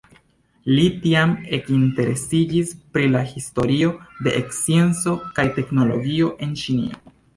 Li tiam ekinteresiĝis pri la historio de scienco kaj teknologio en Ĉinio.